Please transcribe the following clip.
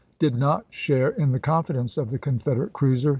Bonfils did not share in the confidence of the Confederate cruiser.